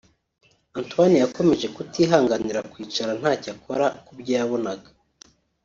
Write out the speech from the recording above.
Antoine yakomeje kutihanganira kwicara ntacyo akora kubyo yabonaga